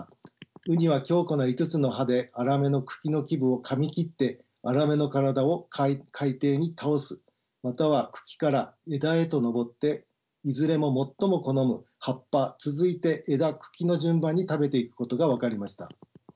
ウニは強固な５つの歯でアラメの茎の基部をかみ切ってアラメの体を海底に倒すまたは茎から枝へと登っていずれも最も好む葉っぱ続いて枝茎の順番に食べていくことが分かりました。